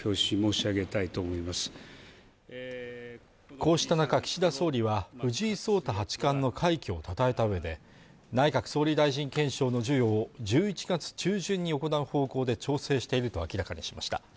こうした中岸田総理は藤井聡太八冠の快挙をたたえたうえで内閣総理大臣顕彰の授与を１１月中旬に行う方向で調整していると明らかにしました